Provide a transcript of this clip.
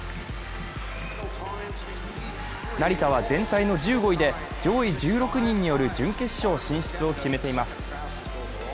成田は全体の１５位で、上位１６人による準決勝進出を決めています。